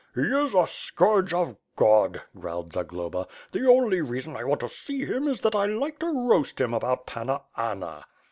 "He i& a scourge of God," growled Zagloba, "the only rea son I want to see him is that I like to roast him about Panna Anna."